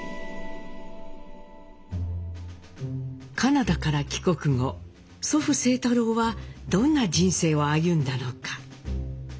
カナダから帰国後祖父清太郎はどんな人生を歩んだのか。